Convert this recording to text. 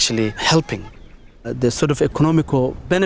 có thể giúp đỡ các cộng đồng samburu